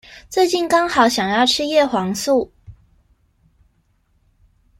最近剛好想要吃葉黃素